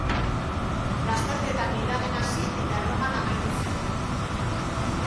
Lasterketa Milanen hasi eta Erroman amaitu zen.